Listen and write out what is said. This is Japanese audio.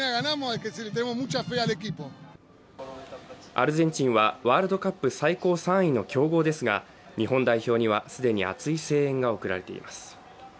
アルゼンチンはワールドカップ最高３位の強豪ですが、日本代表には既に熱い声援が送られています。